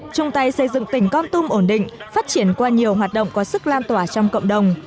chung tay xây dựng tỉnh con tum ổn định phát triển qua nhiều hoạt động có sức lan tỏa trong cộng đồng